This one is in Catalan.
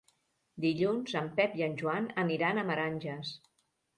Dilluns en Pep i en Joan aniran a Meranges.